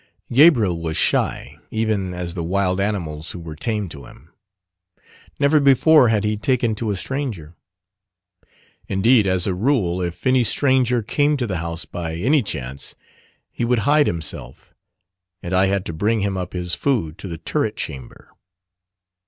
Gabriel was shy even as the wild animals who were tame to him. Never before had he taken to a stranger. Indeed, as a rule, if any stranger came to the house by any chance, he would hide himself, and I had to bring him up his food to the turret chamber.